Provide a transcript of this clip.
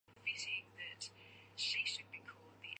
二裂果蝇是果蝇科的一个物种。